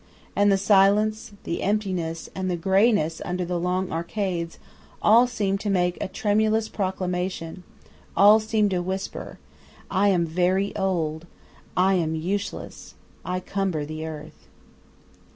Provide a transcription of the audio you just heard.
And the silence, and the emptiness, and the greyness under the long arcades, all seem to make a tremulous proclamation; all seem to whisper, "I am very old, I am useless, I cumber the earth."